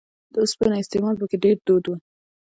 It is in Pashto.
د اوسپنې استعمال په کې ډېر دود و